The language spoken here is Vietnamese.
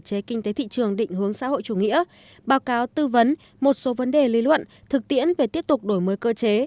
cơ chế kinh tế thị trường định hướng xã hội chủ nghĩa báo cáo tư vấn một số vấn đề lý luận thực tiễn về tiếp tục đổi mới cơ chế